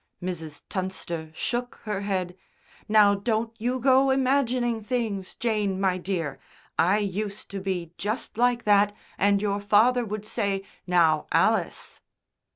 Mrs. Tunster shook her head. "Now don't you go imagining things, Jane, my dear. I used to be just like that, and your father would say, 'Now, Alice.'"